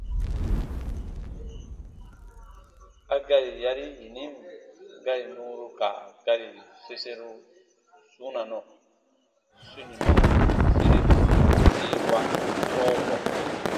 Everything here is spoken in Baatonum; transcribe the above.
A gari yari yinin gari nuuru ka gari soseru wunanɔ: sunimɔ- siribu- seewa- sɔɔwa.